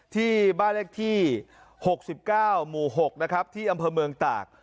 ที่บ้านเลขที่หกสิบเก้าหมู่หกนะครับที่อัมเภอเมืองตาก